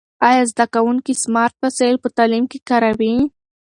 آیا زده کوونکي سمارټ وسایل په تعلیم کې کاروي؟